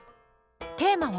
テーマは？